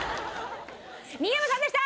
新山さんでした！